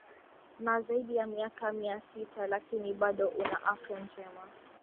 na zaidi ya miaka mia sita lakini bado una afya njema